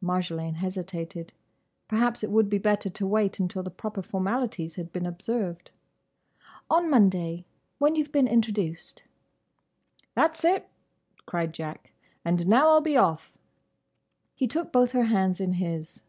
Marjolaine hesitated. Perhaps it would be better to wait until the proper formalities had been observed. "On Monday; when you've been introduced." "That's it!" cried Jack. "And now I'll be off." He took both her hands in his.